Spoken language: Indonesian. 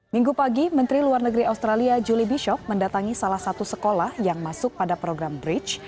minggu pagi menteri luar negeri australia julie bishop mendatangi salah satu sekolah yang masuk pada program bridge